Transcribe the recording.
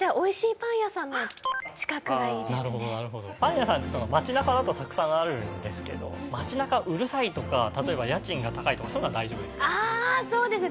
パン屋さんって街なかだとたくさんあるんですけど街なかうるさいとか例えば家賃が高いとかそういうのは大丈夫ですか？